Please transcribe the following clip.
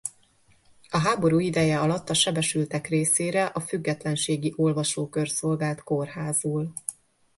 A háború ideje alatt a sebesültek részére a Függetlenségi Olvasókör szolgált kórházul.